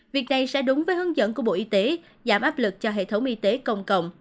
việc này sẽ đúng với hướng dẫn của bộ y tế giảm áp lực cho hệ thống y tế công cộng